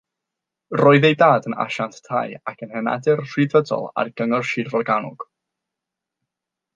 Roedd ei dad yn asiant tai ac yn henadur Rhyddfrydol ar Gyngor Sir Forgannwg.